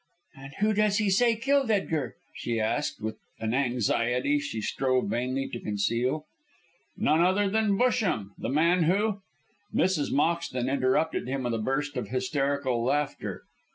"And who does he say killed Edgar?" she asked, with an anxiety she strove vainly to conceal. "None other than Busham, the man who " Mrs. Moxton interrupted him with a burst of hysterical laughter.